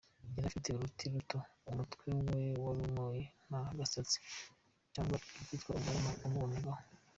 Yari afite uruti ruto, umutwe we warumoye nta gasatsi cyangwa icyitwa ubwanwa wamubonaho.